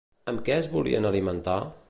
Amb què es volien alimentar?